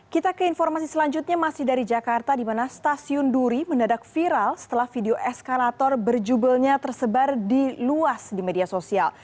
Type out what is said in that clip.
kita ke informasi selanjutnya masih dari jakarta di mana stasiun duri mendadak viral setelah video eskalator berjubelnya tersebar di luas di media sosial